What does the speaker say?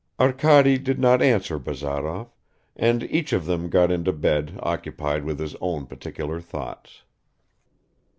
Arkady did not answer Bazarov, and each of them got into bed occupied with his own particular thoughts.